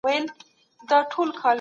د فیل پښې د هوسۍ تر پښو لویې دي.